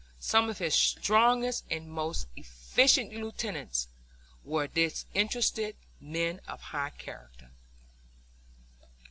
Some of his strongest and most efficient lieutenants were disinterested men of high character.